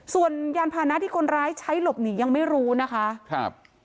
ส่วนยานพานะที่คนร้ายใช้หลบหนียังไม่รู้นะคะครับ